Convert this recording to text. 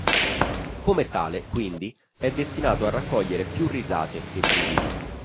Come tale, quindi, è destinato a raccogliere più risate che brividi".